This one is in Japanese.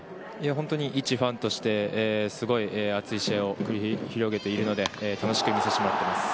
本当にいちファンとしてすごい熱い試合を繰り広げているので楽しく見させてもらっています。